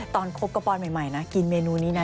คบกระปอนใหม่นะกินเมนูนี้นะ